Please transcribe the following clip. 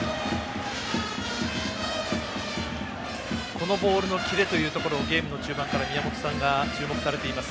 このボールのキレをゲームの中盤から宮本さんが注目されています。